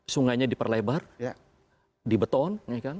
sungainya diperlebar di beton